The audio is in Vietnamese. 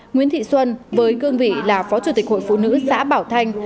nguyễn thị xuân với cương vị là phó chủ tịch hội phụ nữ xã bảo thanh